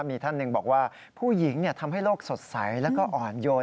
มีท่านหนึ่งบอกว่าผู้หญิงทำให้โลกสดใสแล้วก็อ่อนโยน